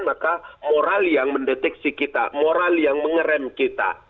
maka moral yang mendeteksi kita moral yang mengerem kita